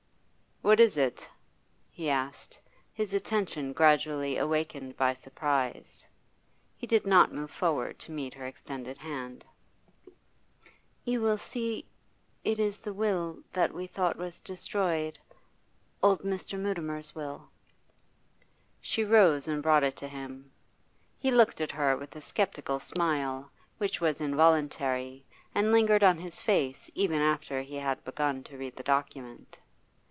'What is it?' he asked, his attention gradually awakened by surprise. He did not move forward to meet her extended hand. 'You will see it is the will that we thought was destroyed old Mr. Mutimer's will.' She rose and brought it to him. He looked at her with a sceptical smile, which was involuntary, and lingered on his face even after he had begun to read the document.